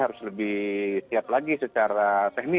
ya berarti harus lebih siap lagi secara teknis